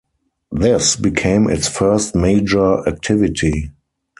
This became its first major activity.